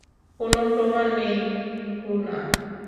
কোনো প্রমাণ নেই, গুনা।